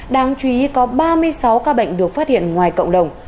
đáng chú ý có ba mươi sáu ca bệnh được phát hiện ngoài cộng đồng